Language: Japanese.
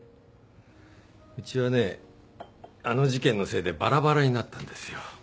うちはねあの事件のせいでばらばらになったんですよ。